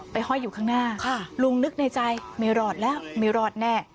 ห้อยอยู่ข้างหน้าลุงนึกในใจไม่รอดแล้วไม่รอดแน่